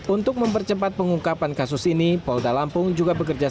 untuk mempercepat pengungkapan kasus ini polda lampung juga bekerja sama